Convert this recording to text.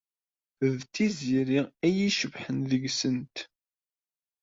D Tiziri ay icebḥen deg-sent.